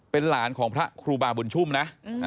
เป็นหลานของพระครูบาบุญชุ่มนะ